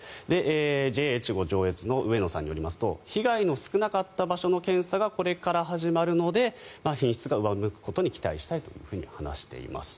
ＪＡえちご上越の上野さんによりますと被害の少なかった場所の検査がこれから始まるので品質が上向くことに期待したいと話しています。